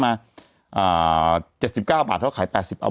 แต่หนูจะเอากับน้องเขามาแต่ว่า